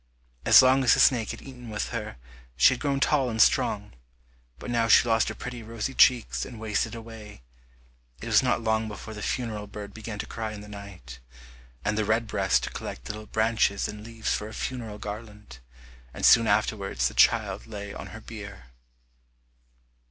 As long as the snake had eaten with her, she had grown tall and strong, but now she lost her pretty rosy cheeks and wasted away. It was not long before the funeral bird began to cry in the night, and the redbreast to collect little branches and leaves for a funeral garland, and soon afterwards the child lay on her bier.